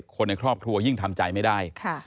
คนในครอบครัวยิ่งทำใจไม่ได้